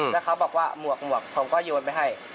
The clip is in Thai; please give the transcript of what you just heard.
แล้วเขาบอกว่าหมวกผมก็โยนไปให้